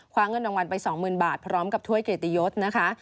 เงินรางวัลไป๒๐๐๐บาทพร้อมกับถ้วยเกตยศนะคะ